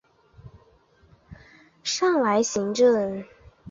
上莱茵行政圈以及越来越多的西部诸侯为法国扩张所吞并。